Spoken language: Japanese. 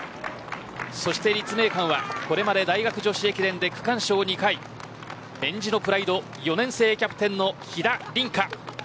そして立命館はこれまで大学女子駅伝で区間賞２回えんじのプライド４年生キャプテンの飛田凛香。